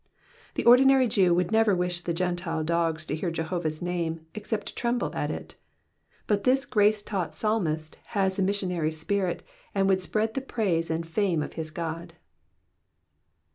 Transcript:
The ordinary Jew would never wish the Gentile dogs to hear Jehovah's name, except to tremble at it ; but this grace taught psalmist has a missionary spirit, and would spread the praise ana fame of his God.